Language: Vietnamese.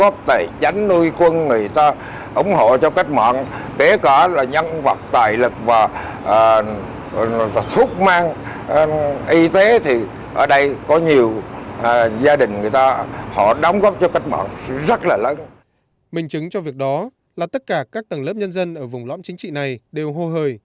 mình chứng cho việc đó là tất cả các tầng lớp nhân dân ở vùng lõm chính trị này đều hô hời